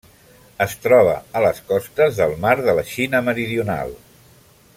Es troba a les costes del Mar de la Xina Meridional.